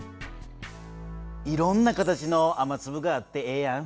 いろんな形の雨つぶがあってええやん。